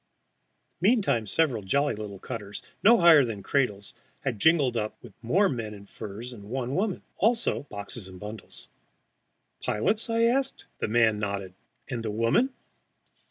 Meantime several jolly little cutters, no higher than cradles, had jingled up with more men in furs and one woman. Also boxes and bundles. "Pilots?" I asked. The man nodded. "And the woman?"